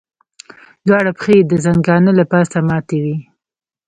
دواړه پښې یې د ځنګانه له پاسه ماتې وې.